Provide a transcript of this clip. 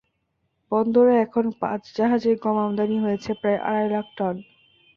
বন্দরে এখন পাঁচ জাহাজে গম আমদানি হয়েছে প্রায় আড়াই লাখ টন।